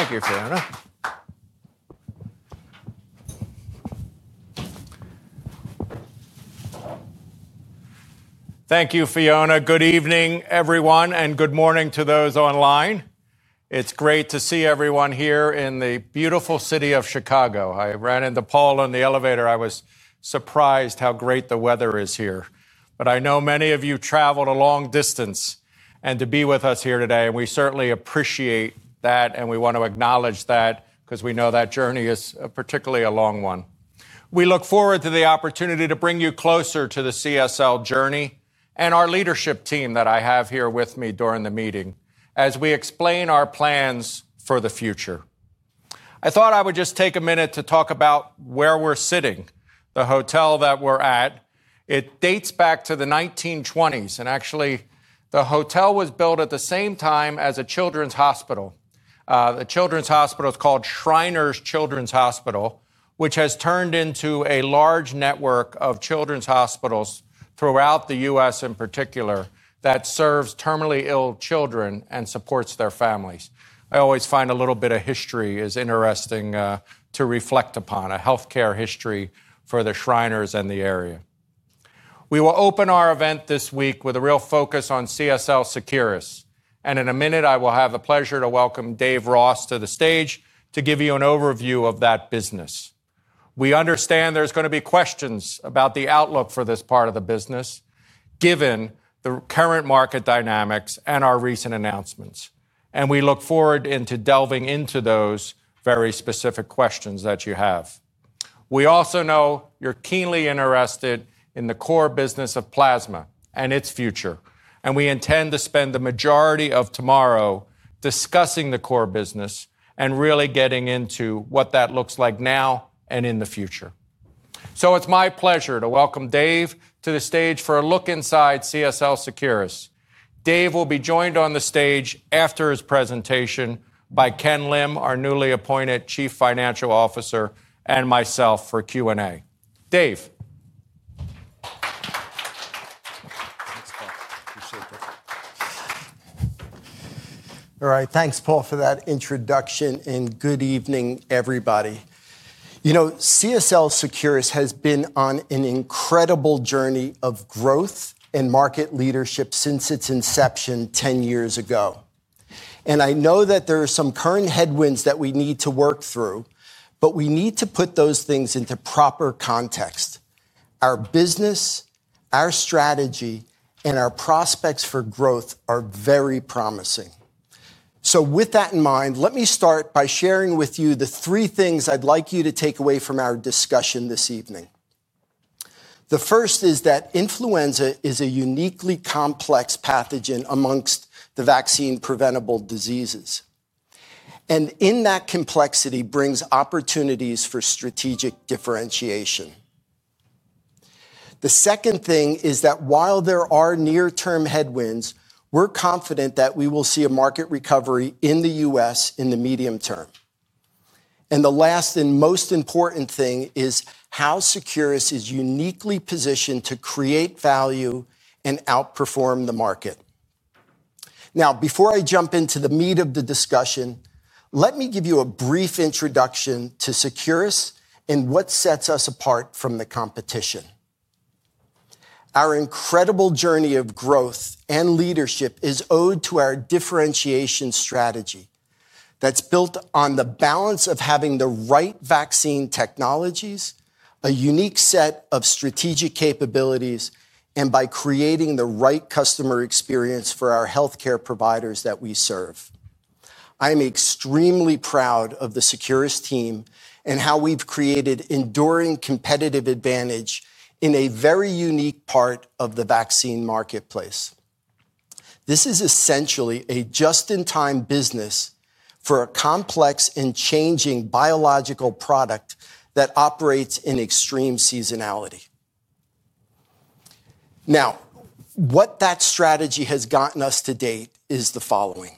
Thank you, Fiona. Thank you, Fiona. Good evening, everyone, and good morning to those online. It's great to see everyone here in the beautiful city of Chicago. I ran into Paul in the elevator. I was surprised how great the weather is here. But I know many of you traveled a long distance to be with us here today, and we certainly appreciate that, and we want to acknowledge that because we know that journey is particularly a long one. We look forward to the opportunity to bring you closer to the CSL journey and our leadership team that I have here with me during the meeting as we explain our plans for the future. I thought I would just take a minute to talk about where we're sitting, the hotel that we're at. It dates back to the 1920s, and actually, the hotel was built at the same time as a children's hospital. The children's hospital is called Shriners Hospitals for Children, which has turned into a large network of children's hospitals throughout the U.S., in particular, that serves terminally ill children and supports their families. I always find a little bit of history interesting to reflect upon, a healthcare history for the Shriners and the area. We will open our event this week with a real focus on CSL Seqirus, and in a minute, I will have the pleasure to welcome Dave Ross to the stage to give you an overview of that business. We understand there's going to be questions about the outlook for this part of the business. Given the current market dynamics and our recent announcements, we look forward to delving into those very specific questions that you have. We also know you're keenly interested in the core business of plasma and its future, and we intend to spend the majority of tomorrow discussing the core business and really getting into what that looks like now and in the future. So it's my pleasure to welcome Dave to the stage for a look inside CSL Seqirus. Dave will be joined on the stage after his presentation by Ken Lim, our newly appointed Chief Financial Officer, and myself for Q&A. Dave. All right, thanks, Paul, for that introduction, and good evening, everybody. You know, CSL Seqirus has been on an incredible journey of growth and market leadership since its inception 10 years ago. And I know that there are some current headwinds that we need to work through, but we need to put those things into proper context. Our business. Our strategy, and our prospects for growth are very promising. So with that in mind, let me start by sharing with you the three things I'd like you to take away from our discussion this evening. The first is that influenza is a uniquely complex pathogen amongst the vaccine-preventable diseases. And in that complexity brings opportunities for strategic differentiation. The second thing is that while there are near-term headwinds, we're confident that we will see a market recovery in the U.S. in the medium term. And the last and most important thing is how Seqirus is uniquely positioned to create value and outperform the market. Now, before I jump into the meat of the discussion, let me give you a brief introduction to Seqirus and what sets us apart from the competition. Our incredible journey of growth and leadership is owed to our differentiation strategy that's built on the balance of having the right vaccine technologies, a unique set of strategic capabilities, and by creating the right customer experience for our healthcare providers that we serve. I am extremely proud of the Seqirus team and how we've created enduring competitive advantage in a very unique part of the vaccine marketplace. This is essentially a just-in-time business for a complex and changing biological product that operates in extreme seasonality. Now, what that strategy has gotten us to date is the following.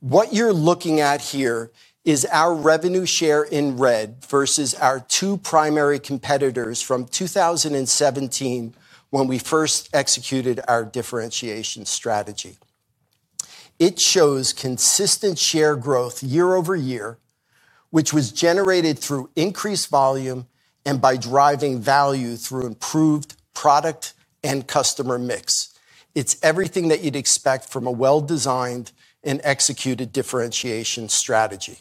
What you're looking at here is our revenue share in red versus our two primary competitors from 2017 when we first executed our differentiation strategy. It shows consistent share growth year-over-year, which was generated through increased volume and by driving value through improved product and customer mix. It's everything that you'd expect from a well-designed and executed differentiation strategy.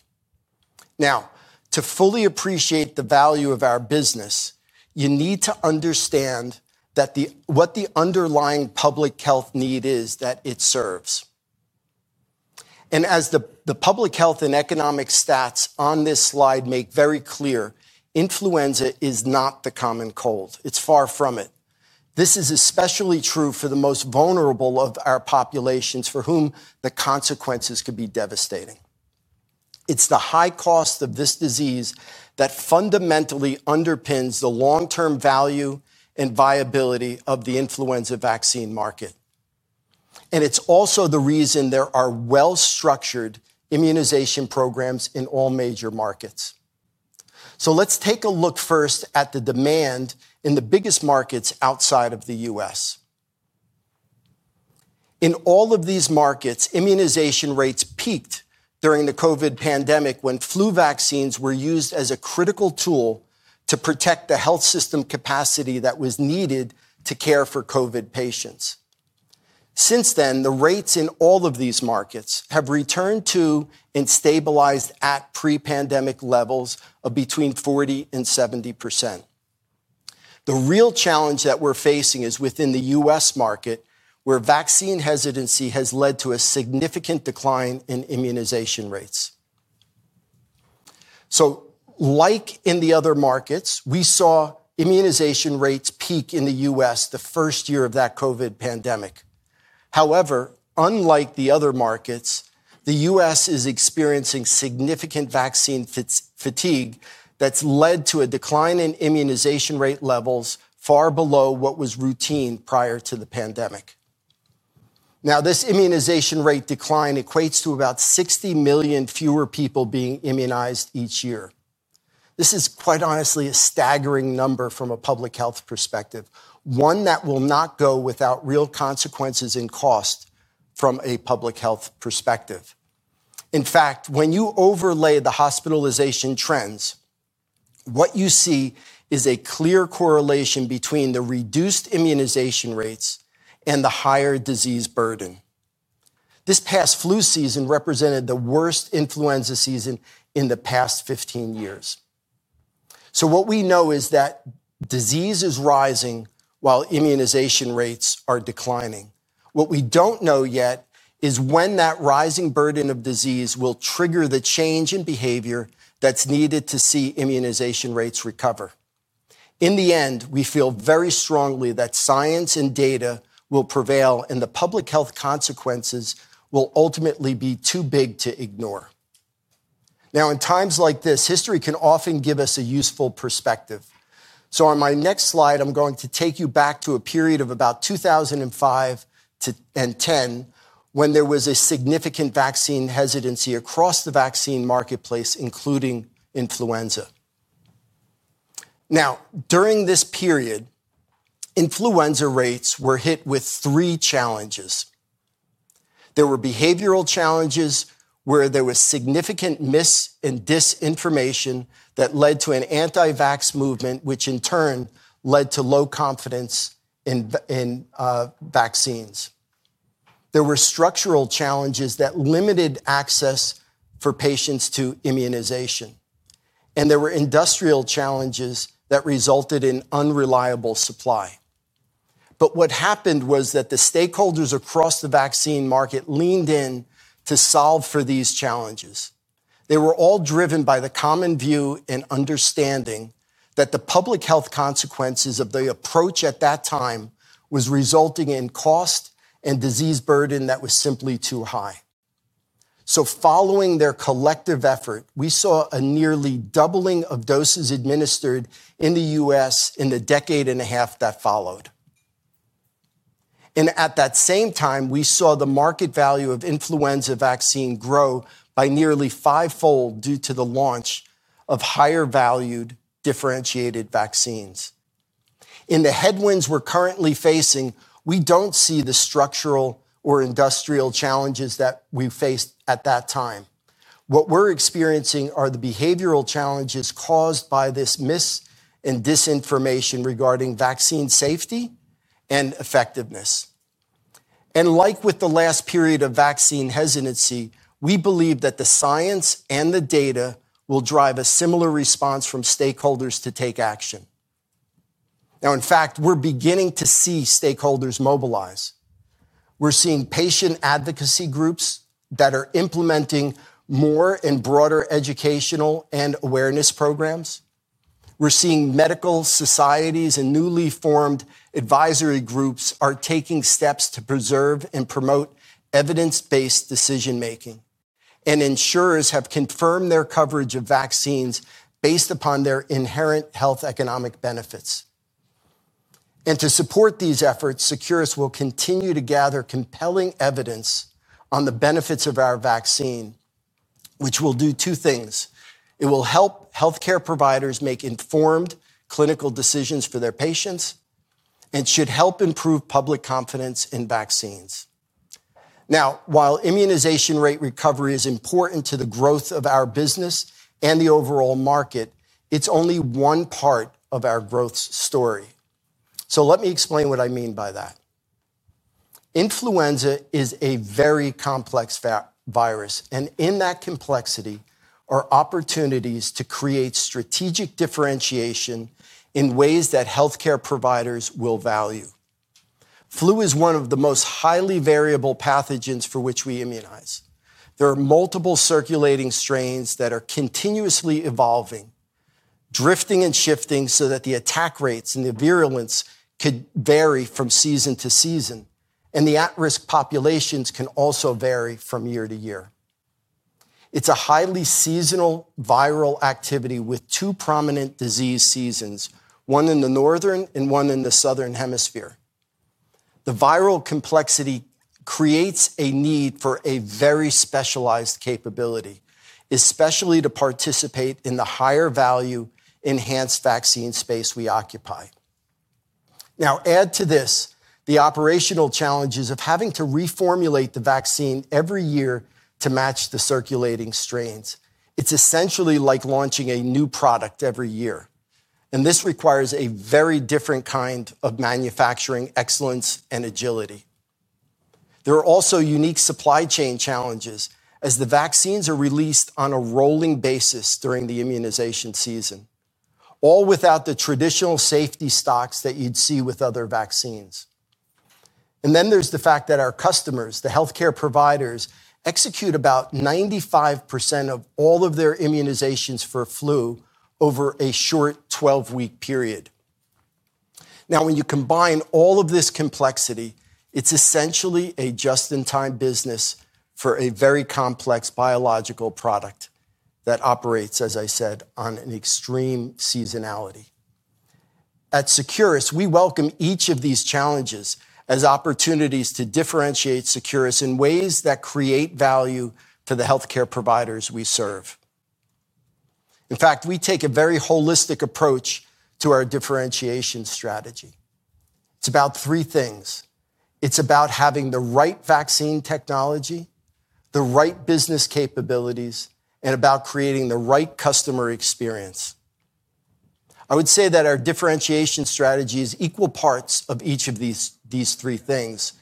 Now, to fully appreciate the value of our business. You need to understand what the underlying public health need is that it serves. And as the public health and economic stats on this slide make very clear, influenza is not the common cold. It's far from it. This is especially true for the most vulnerable of our populations for whom the consequences could be devastating. It's the high cost of this disease that fundamentally underpins the long-term value and viability of the influenza vaccine market. And it's also the reason there are well-structured immunization programs in all major markets. So let's take a look first at the demand in the biggest markets outside of the U.S. In all of these markets, immunization rates peaked during the COVID pandemic when flu vaccines were used as a critical tool to protect the health system capacity that was needed to care for COVID patients. Since then, the rates in all of these markets have returned to and stabilized at pre-pandemic levels of between 40% and 70%. The real challenge that we're facing is within the U.S. market, where vaccine hesitancy has led to a significant decline in immunization rates. So, like in the other markets, we saw immunization rates peak in the U.S. the first year of that COVID pandemic. However, unlike the other markets, the U.S. is experiencing significant vaccine fatigue that's led to a decline in immunization rate levels far below what was routine prior to the pandemic. Now, this immunization rate decline equates to about 60 million fewer people being immunized each year. This is, quite honestly, a staggering number from a public health perspective, one that will not go without real consequences and costs from a public health perspective. In fact, when you overlay the hospitalization trends, what you see is a clear correlation between the reduced immunization rates and the higher disease burden. This past flu season represented the worst influenza season in the past 15 years. So what we know is that disease is rising while immunization rates are declining. What we don't know yet is when that rising burden of disease will trigger the change in behavior that's needed to see immunization rates recover. In the end, we feel very strongly that science and data will prevail and the public health consequences will ultimately be too big to ignore. Now, in times like this, history can often give us a useful perspective. So on my next slide, I'm going to take you back to a period of about 2005 and 2010 when there was a significant vaccine hesitancy across the vaccine marketplace, including influenza. Now, during this period, immunization rates were hit with three challenges. There were behavioral challenges where there was significant mis- and disinformation that led to an anti-vax movement, which in turn led to low confidence in vaccines. There were structural challenges that limited access for patients to immunization. And there were industrial challenges that resulted in unreliable supply. But what happened was that the stakeholders across the vaccine market leaned in to solve for these challenges. They were all driven by the common view and understanding that the public health consequences of the approach at that time were resulting in cost and disease burden that was simply too high. So following their collective effort, we saw a nearly doubling of doses administered in the U.S. in the decade and a half that followed. And at that same time, we saw the market value of influenza vaccine grow by nearly fivefold due to the launch of higher-valued differentiated vaccines. In the headwinds we're currently facing, we don't see the structural or industrial challenges that we faced at that time. What we're experiencing are the behavioral challenges caused by this mis- and disinformation regarding vaccine safety and effectiveness. And like with the last period of vaccine hesitancy, we believe that the science and the data will drive a similar response from stakeholders to take action. Now, in fact, we're beginning to see stakeholders mobilize. We're seeing patient advocacy groups that are implementing more and broader educational and awareness programs. We're seeing medical societies and newly formed advisory groups taking steps to preserve and promote evidence-based decision-making. And insurers have confirmed their coverage of vaccines based upon their inherent health economic benefits. And to support these efforts, Seqirus will continue to gather compelling evidence on the benefits of our vaccine, which will do two things. It will help healthcare providers make informed clinical decisions for their patients and should help improve public confidence in vaccines. Now, while immunization rate recovery is important to the growth of our business and the overall market, it's only one part of our growth story. So let me explain what I mean by that. Influenza is a very complex virus, and in that complexity are opportunities to create strategic differentiation in ways that healthcare providers will value. Flu is one of the most highly variable pathogens for which we immunize. There are multiple circulating strains that are continuously evolving, drifting and shifting so that the attack rates and the virulence could vary from season to season. And the at-risk populations can also vary from year to year. It's a highly seasonal viral activity with two prominent disease seasons, one in the northern and one in the southern hemisphere. The viral complexity creates a need for a very specialized capability, especially to participate in the higher-value enhanced vaccine space we occupy. Now, add to this the operational challenges of having to reformulate the vaccine every year to match the circulating strains. It's essentially like launching a new product every year. And this requires a very different kind of manufacturing excellence and agility. There are also unique supply chain challenges as the vaccines are released on a rolling basis during the immunization season, all without the traditional safety stocks that you'd see with other vaccines. And then there's the fact that our customers, the healthcare providers, execute about 95% of all of their immunizations for flu over a short 12-week period. Now, when you combine all of this complexity, it's essentially a just-in-time business for a very complex biological product that operates, as I said, on an extreme seasonality. At Seqirus, we welcome each of these challenges as opportunities to differentiate Seqirus in ways that create value to the healthcare providers we serve. In fact, we take a very holistic approach to our differentiation strategy. It's about three things. It's about having the right vaccine technology, the right business capabilities, and about creating the right customer experience. I would say that our differentiation strategy is equal parts of each of these three things.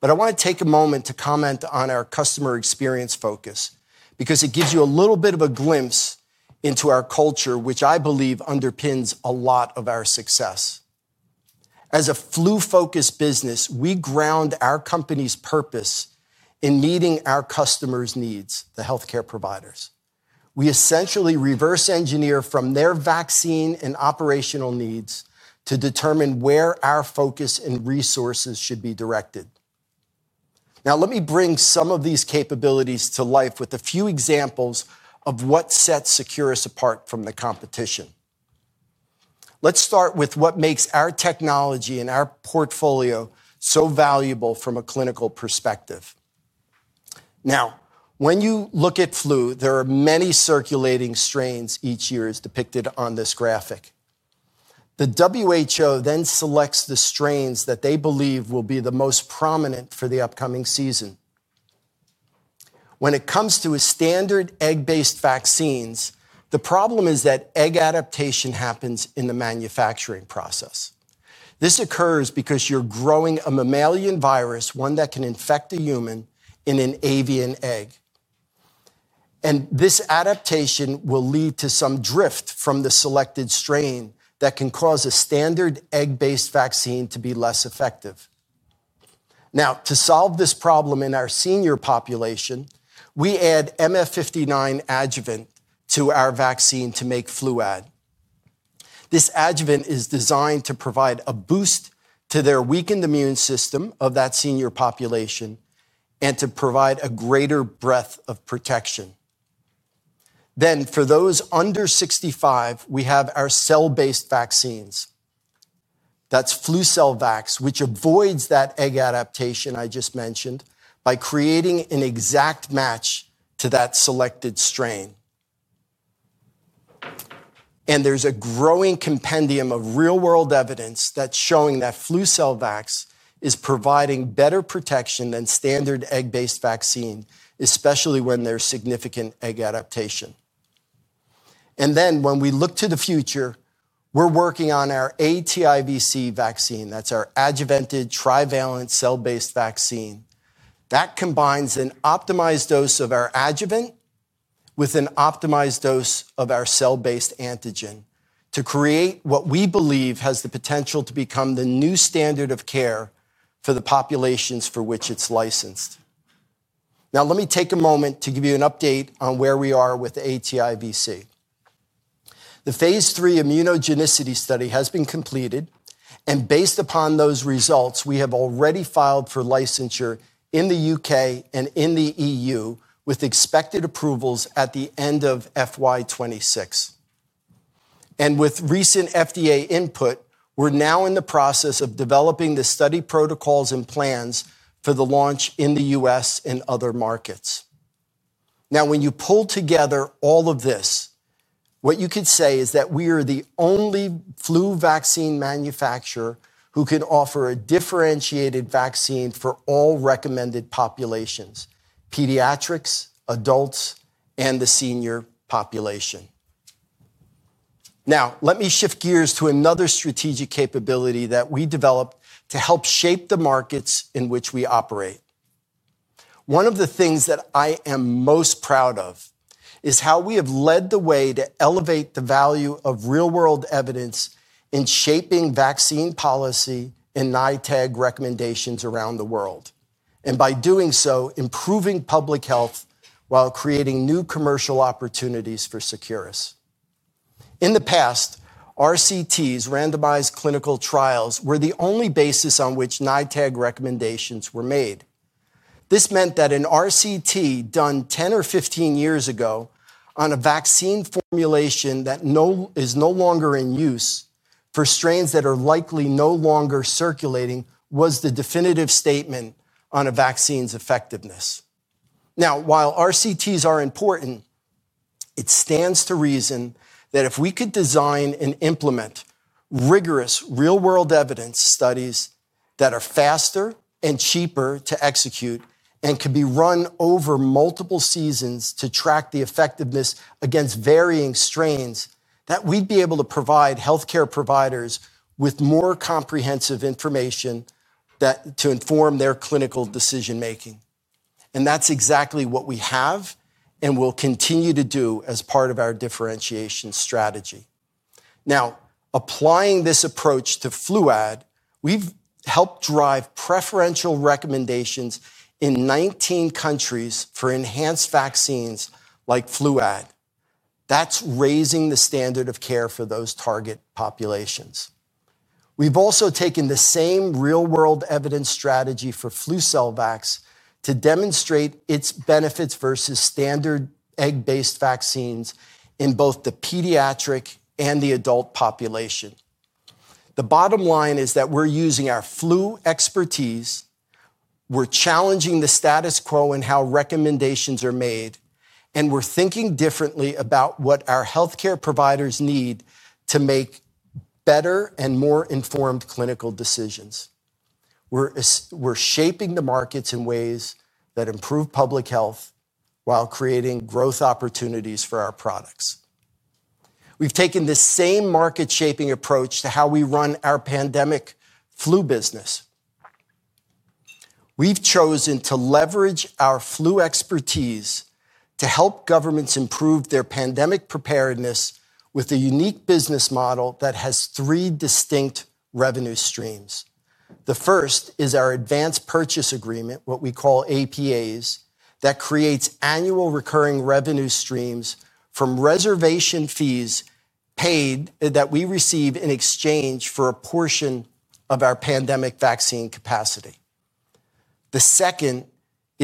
But I want to take a moment to comment on our customer experience focus because it gives you a little bit of a glimpse into our culture, which I believe underpins a lot of our success. As a flu-focused business, we ground our company's purpose in meeting our customers' needs, the healthcare providers. We essentially reverse-engineer from their vaccine and operational needs to determine where our focus and resources should be directed. Now, let me bring some of these capabilities to life with a few examples of what sets Seqirus apart from the competition. Let's start with what makes our technology and our portfolio so valuable from a clinical perspective. Now, when you look at flu, there are many circulating strains each year as depicted on this graphic. The WHO then selects the strains that they believe will be the most prominent for the upcoming season. When it comes to standard egg-based vaccines, the problem is that egg adaptation happens in the manufacturing process. This occurs because you're growing a mammalian virus, one that can infect a human, in an avian egg. And this adaptation will lead to some drift from the selected strain that can cause a standard egg-based vaccine to be less effective. Now, to solve this problem in our senior population, we add MF59 adjuvant to our vaccine to make Fluad. This adjuvant is designed to provide a boost to their weakened immune system of that senior population and to provide a greater breadth of protection. Then, for those under 65, we have our cell-based vaccines. That's Flucelvax, which avoids that egg adaptation I just mentioned by creating an exact match to that selected strain. And there's a growing compendium of real-world evidence that's showing that Flucelvax is providing better protection than standard egg-based vaccine, especially when there's significant egg adaptation. And then, when we look to the future, we're working on our aTIVc vaccine. That's our adjuvanted trivalent cell-based vaccine. That combines an optimized dose of our adjuvant with an optimized dose of our cell-based antigen to create what we believe has the potential to become the new standard of care for the populations for which it's licensed. Now, let me take a moment to give you an update on where we are with aTIVc. The phase III immunogenicity study has been completed. And based upon those results, we have already filed for licensure in the U.K. and in the E.U. with expected approvals at the end of FY 2026. And with recent FDA input, we're now in the process of developing the study protocols and plans for the launch in the U.S. and other markets. Now, when you pull together all of this, what you could say is that we are the only flu vaccine manufacturer who can offer a differentiated vaccine for all recommended populations: pediatrics, adults, and the senior population. Now, let me shift gears to another strategic capability that we developed to help shape the markets in which we operate. One of the things that I am most proud of is how we have led the way to elevate the value of real-world evidence in shaping vaccine policy and NITAG recommendations around the world. And by doing so, improving public health while creating new commercial opportunities for Seqirus. In the past, RCTs, randomized clinical trials, were the only basis on which NITAG recommendations were made. This meant that an RCT done 10 or 15 years ago on a vaccine formulation that is no longer in use for strains that are likely no longer circulating was the definitive statement on a vaccine's effectiveness. Now, while RCTs are important, it stands to reason that if we could design and implement rigorous real-world evidence studies that are faster and cheaper to execute and could be run over multiple seasons to track the effectiveness against varying strains, that we'd be able to provide healthcare providers with more comprehensive information to inform their clinical decision-making. And that's exactly what we have and will continue to do as part of our differentiation strategy. Now, applying this approach to Fluad, we've helped drive preferential recommendations in 19 countries for enhanced vaccines like Fluad. That's raising the standard of care for those target populations. We've also taken the same real-world evidence strategy for Flucelvax to demonstrate its benefits versus standard egg-based vaccines in both the pediatric and the adult population. The bottom line is that we're using our flu expertise, we're challenging the status quo in how recommendations are made, and we're thinking differently about what our healthcare providers need to make better and more informed clinical decisions. We're shaping the markets in ways that improve public health while creating growth opportunities for our products. We've taken this same market-shaping approach to how we run our pandemic flu business. We've chosen to leverage our flu expertise to help governments improve their pandemic preparedness with a unique business model that has three distinct revenue streams. The first is our advance purchase agreement, what we call APAs, that creates annual recurring revenue streams from reservation fees paid that we receive in exchange for a portion of our pandemic vaccine capacity. The second is,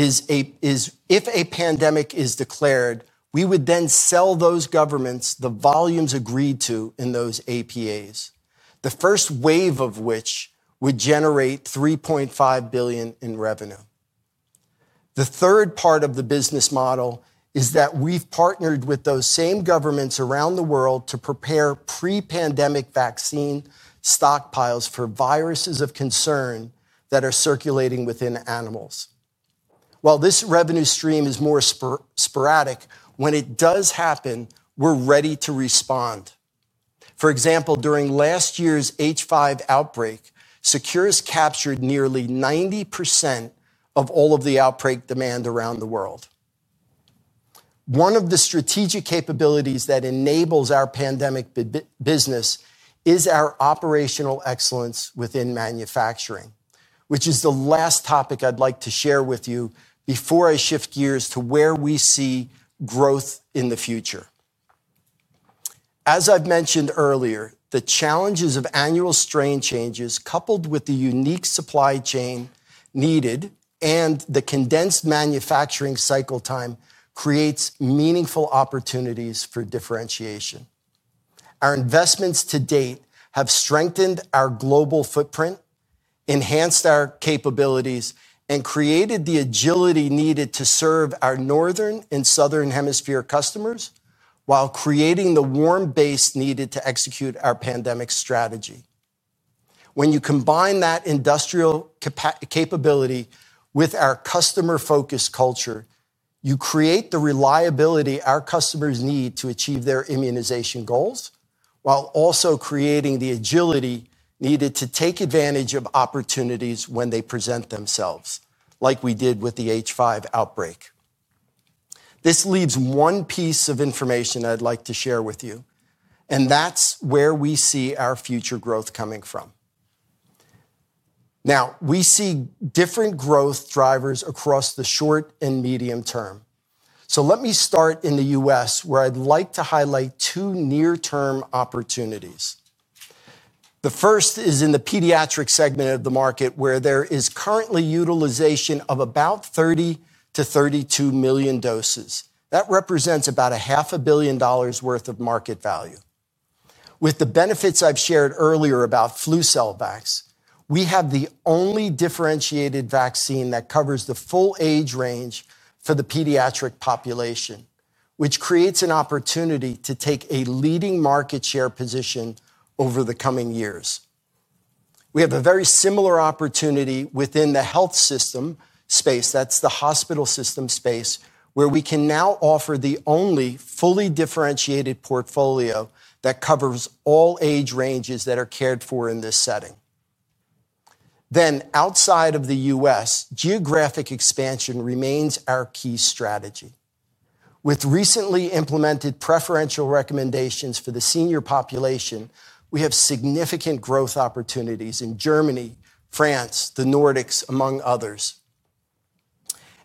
if a pandemic is declared, we would then sell those governments the volumes agreed to in those APAs, the first wave of which would generate $3.5 billion in revenue. The third part of the business model is that we've partnered with those same governments around the world to prepare pre-pandemic vaccine stockpiles for viruses of concern that are circulating within animals. While this revenue stream is more sporadic, when it does happen, we're ready to respond. For example, during last year's H5 outbreak, Seqirus captured nearly 90% of all of the outbreak demand around the world. One of the strategic capabilities that enables our pandemic business is our operational excellence within manufacturing, which is the last topic I'd like to share with you before I shift gears to where we see growth in the future. As I've mentioned earlier, the challenges of annual strain changes coupled with the unique supply chain needed and the condensed manufacturing cycle time creates meaningful opportunities for differentiation. Our investments to date have strengthened our global footprint, enhanced our capabilities, and created the agility needed to serve our northern and southern hemisphere customers while creating the warm base needed to execute our pandemic strategy. When you combine that industrial capability with our customer-focused culture, you create the reliability our customers need to achieve their immunization goals while also creating the agility needed to take advantage of opportunities when they present themselves, like we did with the H5 outbreak. This leaves one piece of information I'd like to share with you. And that's where we see our future growth coming from. Now, we see different growth drivers across the short and medium term. So let me start in the U.S., where I'd like to highlight two near-term opportunities. The first is in the pediatric segment of the market, where there is currently utilization of about 30 million-32 million doses. That represents about $500 million worth of market value. With the benefits I've shared earlier about Flucelvax, we have the only differentiated vaccine that covers the full age range for the pediatric population, which creates an opportunity to take a leading market share position over the coming years. We have a very similar opportunity within the health system space. That's the hospital system space, where we can now offer the only fully differentiated portfolio that covers all age ranges that are cared for in this setting. Then, outside of the U.S., geographic expansion remains our key strategy. With recently implemented preferential recommendations for the senior population, we have significant growth opportunities in Germany, France, the Nordics, among others.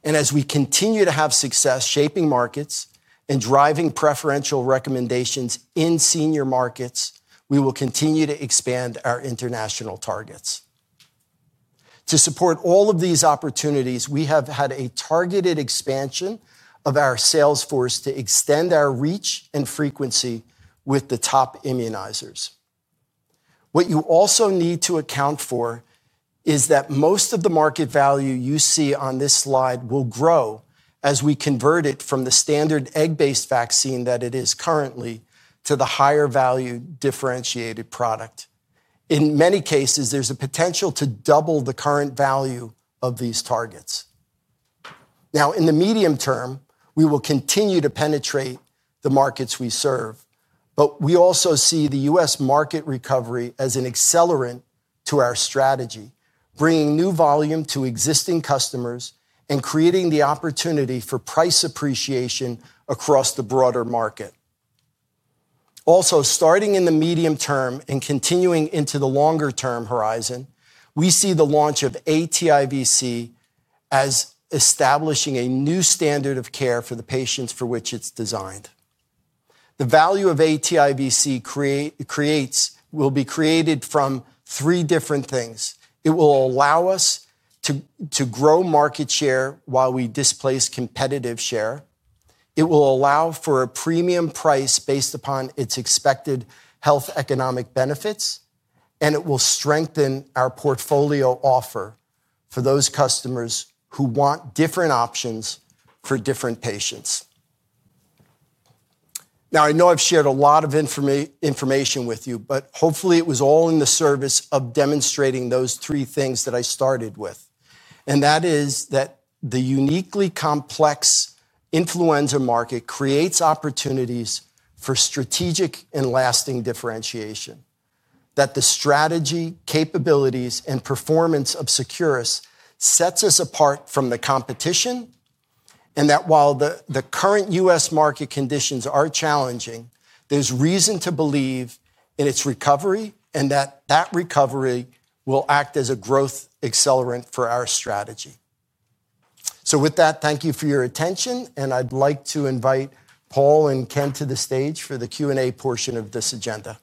And as we continue to have success shaping markets and driving preferential recommendations in senior markets, we will continue to expand our international targets. To support all of these opportunities, we have had a targeted expansion of our sales force to extend our reach and frequency with the top immunizers. What you also need to account for is that most of the market value you see on this slide will grow as we convert it from the standard egg-based vaccine that it is currently to the higher-value differentiated product. In many cases, there's a potential to double the current value of these targets. Now, in the medium term, we will continue to penetrate the markets we serve. But we also see the U.S. market recovery as an accelerant to our strategy, bringing new volume to existing customers and creating the opportunity for price appreciation across the broader market. Also, starting in the medium term and continuing into the longer-term horizon, we see the launch of aTIVc as establishing a new standard of care for the patients for which it's designed. The value of aTIVc will be created from three different things. It will allow us to grow market share while we displace competitive share. It will allow for a premium price based upon its expected health economic benefits, and it will strengthen our portfolio offer for those customers who want different options for different patients. Now, I know I've shared a lot of information with you, but hopefully it was all in the service of demonstrating those three things that I started with, and that is that the uniquely complex influenza market creates opportunities for strategic and lasting differentiation, that the strategy, capabilities, and performance of Seqirus sets us apart from the competition, and that while the current U.S. market conditions are challenging, there's reason to believe in its recovery and that that recovery will act as a growth accelerant for our strategy, so with that, thank you for your attention, and I'd like to invite Paul and Ken to the stage for the Q&A portion of this agenda.